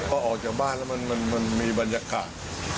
พอออกจากบ้านแล้วมันมีบรรยากาศ